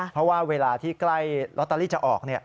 เพราะว่าเวลาที่ใกล้ลอตเตอรี่จะออก